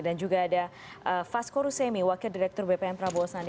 dan juga ada fasko rusemi wakil direktur bpn prabowo sandi